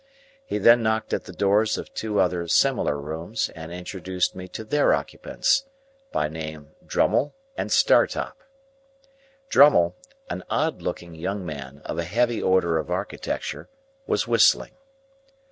He then knocked at the doors of two other similar rooms, and introduced me to their occupants, by name Drummle and Startop. Drummle, an old looking young man of a heavy order of architecture, was whistling.